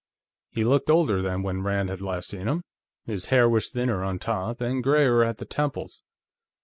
He looked older than when Rand had last seen him. His hair was thinner on top and grayer at the temples.